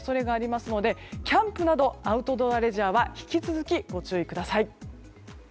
急な激しい雷雨などの恐れがありますのでキャンプなどアウトドアレジャーは引き続きご注意ください。